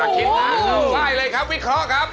อัธิบายเลยครับวิเคราะห์ครับ